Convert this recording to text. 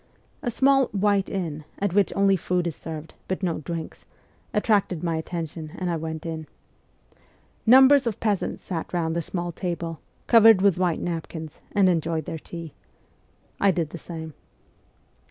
A small ' white inn ' at which only food is served, but no drinks, attracted my attention and I went in. Numbers of peasants sat THE CORPS OF PAGES 125 round the small tables, covered with white napkins, and enjoyed their tea. I did the same.